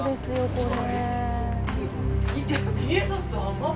これ。